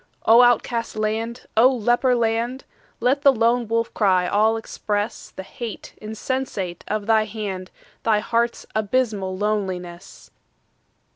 O outcast land! O leper land! Let the lone wolf cry all express The hate insensate of thy hand, Thy heart's abysmal loneliness.